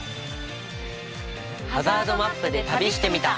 ハザードマップで旅してみた！